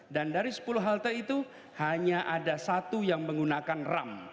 dan dari sepuluh halte itu hanya ada satu yang menggunakan ram